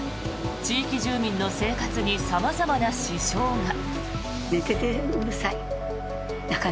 地域住民の生活に様々な支障が。